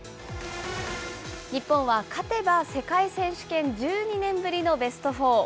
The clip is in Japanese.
日本は勝てば世界選手権１２年ぶりのベストフォー。